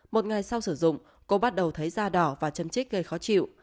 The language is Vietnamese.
một ngày sau sử dụng cô bắt đầu thấy da đỏ và chân trích gây khó chịu